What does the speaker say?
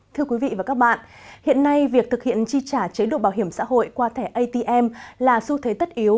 thưa quý vị và các bạn hiện nay việc thực hiện chi trả chế độ bảo hiểm xã hội qua thẻ atm là xu thế tất yếu